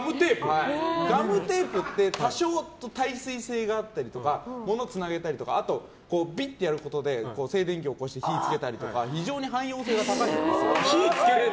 ガムテープって多少耐水性があったりとか物をつなげたりとかあと、ビッとやることで静電気を起こして火を付けたりとか非常に汎用性が高いんです。